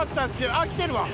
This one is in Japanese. あっきてるわ。